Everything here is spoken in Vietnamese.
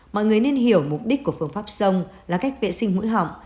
mọi người nên hiểu mục đích của phương pháp sông là cách vệ sinh mũi họng